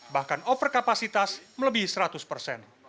bahkan overkapasitas melebihi seratus persen